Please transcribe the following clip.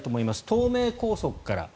東名高速から。